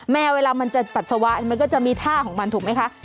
เวลามันจะปัสสาวะมันก็จะมีท่าของมันถูกไหมคะ